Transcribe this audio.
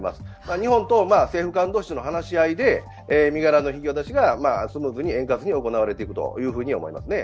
日本と政府間同士の引き渡しが身柄の引き渡しがスムーズに円滑に行われていくと思いますね。